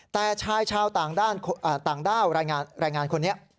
แต่ชายชาวต่างด้าวรายงานคนนี้